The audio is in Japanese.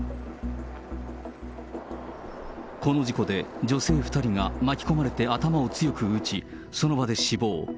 この事故で女性２人が巻き込まれて頭を強く打ち、その場で死亡。